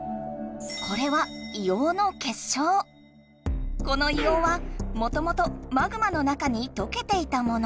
これはこの硫黄はもともとマグマの中にとけていたもの。